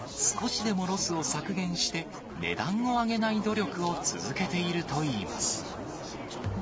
少しでもロスを削減して、値段を上げない努力を続けているといいます。